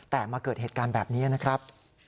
แต่มาเกิดเหตุการณ์แบบนี้นะครับ